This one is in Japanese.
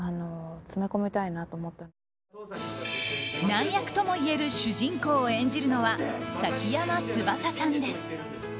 難役ともいえる主役を演じるのは崎山つばささんです。